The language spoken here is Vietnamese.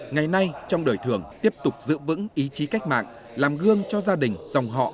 ngày nay trong đời thường tiếp tục giữ vững ý chí cách mạng làm gương cho gia đình dòng họ